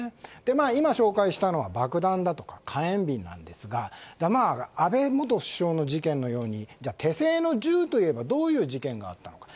今、紹介したのは爆弾だとか火炎瓶ですが安倍元首相の事件のように手製の銃といえばどういう事件があったのか。